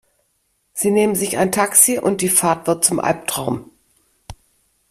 Sie nehmen sich ein Taxi, und die Fahrt wird zum Albtraum.